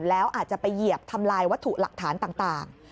แล้วอาจจะไปเหยียบทำลายวัตถุหลักฐานต่าง